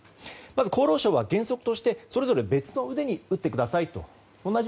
まず厚労省は原則としてそれぞれ別の腕に打ってくださいと。